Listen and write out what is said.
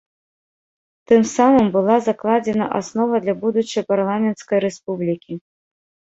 Тым самым была закладзена аснова для будучай парламенцкай рэспублікі.